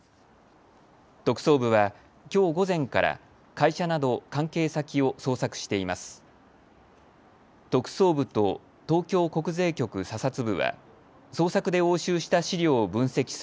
特捜部は、きょう午前から会社など関係先を捜索しています。